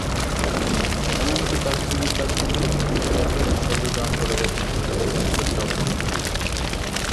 এমনকি তাঁর কুমিল্লার সম্পত্তি, ব্যবসা—সবই দান করে গেছেন শিক্ষাজ্ঞানচর্চা অব্যাহত রাখতে।